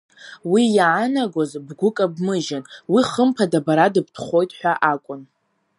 Уи иаанагоз, бгәы кабмыжьын, уи хымԥада бара дыбтәхоит ҳәа акәын.